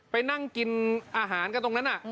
ไปนั่งกินอาหารกันตรงนั้น